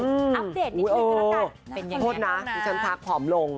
อืมอัพเดทนิดหนึ่งก็แล้วกันเป็นอย่างนี้โทษนะที่ฉันทักผอมลง